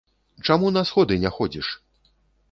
Чаму на сходы не ходзіш?